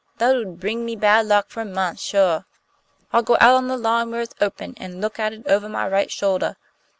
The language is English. That 'ud bring me bad luck for a month, suah. I'll go out on the lawn where it's open, an' look at it ovah my right shouldah."